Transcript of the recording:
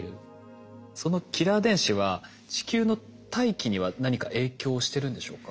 そのキラー電子は地球の大気には何か影響してるんでしょうか？